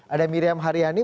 ada miriam hariani